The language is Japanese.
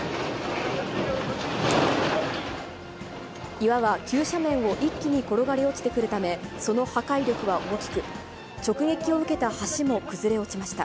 岩は急斜面を一気に転がり落ちてくるため、その破壊力は大きく、直撃を受けた橋も崩れ落ちました。